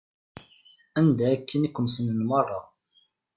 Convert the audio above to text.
Anda aken i k-snen meṛṛa.